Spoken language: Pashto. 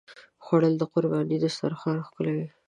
خوړل د قربانۍ دسترخوان ښکلوي